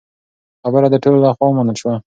خبره د ټولو له خوا ومنل شوه.